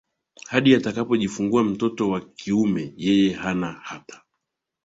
hadi atakapojifungua mtoto wa kiume Yeye hana hata